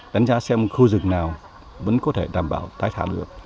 đánh giá xem khu rừng nào vẫn có thể đảm bảo tái thả được